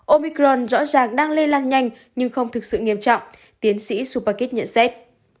omicron rõ ràng đang lây lan nhanh nhưng không thực sự nghiêm trọng tiến sĩ supakit nhận xét